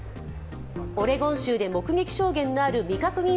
オレゴン州で目撃証言のある未確認